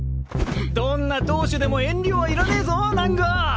どんな投手でも遠慮はいらねぇぞ南郷！